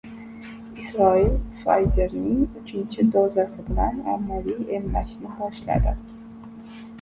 Isroil Pfizer`ning uchinchi dozasi bilan ommaviy emlashni boshladi